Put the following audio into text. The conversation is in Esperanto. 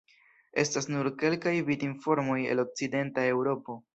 Estas nur kelkaj vid-informoj el Okcidenta Eŭropo.